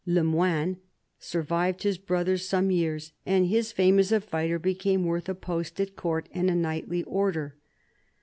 Le Moine survived his brother some years, and his fame as a fighter became worth a post at Court and a knightly order.